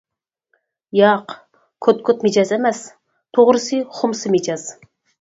ياق. كوت-كوت مىجەزى ئەمەس، توغرىسى-خۇمسى مىجەز!